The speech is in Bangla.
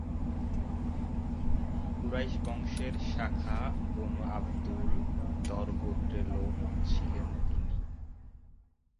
কুরাইশ বংশের শাখা বনু আব্দুল দর গোত্রের লোক ছিলেন তিনি।